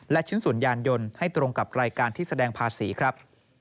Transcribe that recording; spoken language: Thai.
และชิ้นส่วนยานยนต์ให้ตรงกับรายการที่แสดงภาษีครับ